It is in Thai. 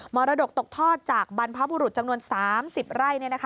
รดกตกทอดจากบรรพบุรุษจำนวน๓๐ไร่